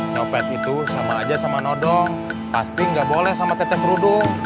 nyopet itu sama aja sama nodong pasti gak boleh sama tetek rudung